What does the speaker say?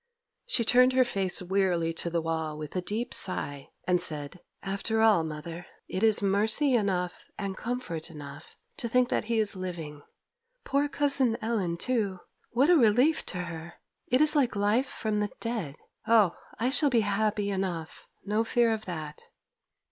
She turned her face weariedly to the wall with a deep sigh, and said, 'After all, mother, it is mercy enough and comfort enough to think that he is living. Poor cousin Ellen, too, what a relief to her! it is like life from the dead. Oh! I shall be happy enough, no fear of that.